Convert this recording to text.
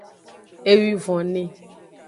Ewivonve.